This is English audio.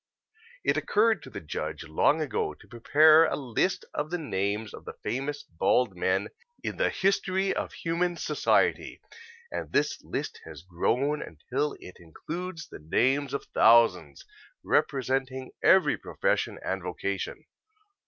It occurred to the Judge long ago to prepare a list of the names of the famous bald men in the history of human society, and this list has grown until it includes the names of thousands, representing every profession and vocation.